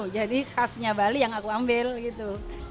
jadi khasnya bali yang aku ambil gitu